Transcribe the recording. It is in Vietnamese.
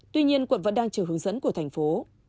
tuy nhiên quận vẫn đang chờ hướng dẫn của thành phố